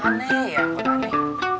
aneh ya angkot aneh